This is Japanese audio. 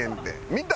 見た？